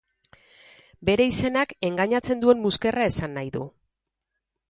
Bere izenak engainatzen duen muskerra esan nahi du.